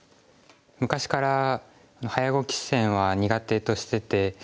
昔から早碁棋戦は苦手としてて。